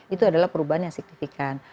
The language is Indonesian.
itu adalah perubahan yang signifikan